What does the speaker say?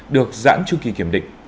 được giãn trung kỳ kiểm định